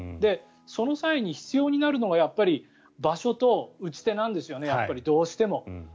その際に必要になるのがやっぱり場所と打ち手なんですねどうしても。